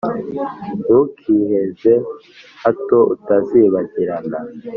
ntukiheze, hato utazibagirana